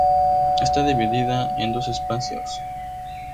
Está dividida en dos espacios.